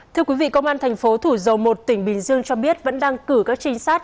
thưa quý vị công an thành phố thủ dầu một tỉnh bình dương cho biết vẫn đang cử các trinh sát